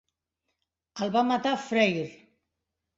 El va matar Freyr.